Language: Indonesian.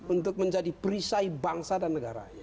untuk menjadi perisai bangsa dan negara